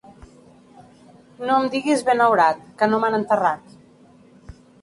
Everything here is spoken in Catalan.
No em diguis benaurat, que no m'han enterrat.